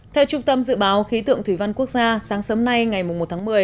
theo trung tâm dự báo khí tượng thủy văn quốc gia sáng sớm nay ngày một tháng một mươi